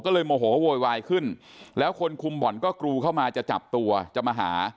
บอกว่าโวยวายขึ้นแล้วคนคุมบอลก็กรูเข้ามาจะจับตัวจะมาหา